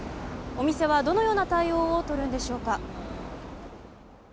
お店は、どのような対応をとるんでしょうか。